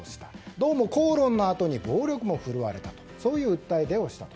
どうも口論のあとに暴力も振るわれたとそういう訴えで電話をしたと。